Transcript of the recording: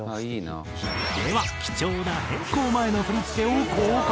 では貴重な変更前の振付を公開。